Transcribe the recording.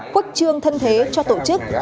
quốc trương thân thế cho tổ chức